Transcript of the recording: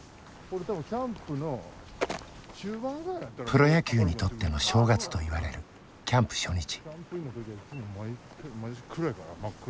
プロ野球にとっての正月といわれるキャンプ初日。